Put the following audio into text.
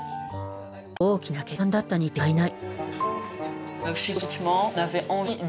大きな決断だったに違いない。